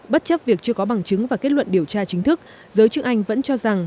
bất chấp việc chưa có bằng chứng và kết luận điều tra chính thức giới chức anh vẫn cho rằng